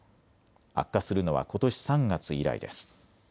悪化するのはことし３月以来です。